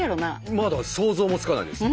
まだ想像もつかないです。